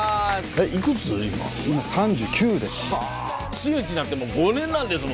真打になってもう５年なんですもんね。